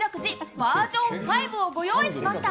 バージョン５を御用意しました。